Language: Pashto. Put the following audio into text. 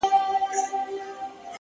مثبت انسان د تیارو منځ کې رڼا ویني!